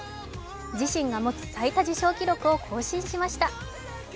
自身が持つ最多受賞記録を更新しました。